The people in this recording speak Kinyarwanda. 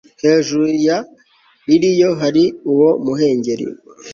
Hejuru ya liliyo hari uwo muhengeri